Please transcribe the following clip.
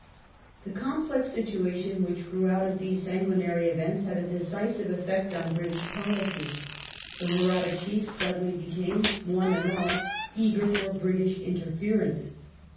The complex situation which grew out of these sanguinary events had a decisive effect on British policy. The Mahratta chiefs suddenly became, one and all, eager for British interference.